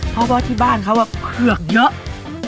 เพราะว่าที่บ้านเขาเผือกเยอะ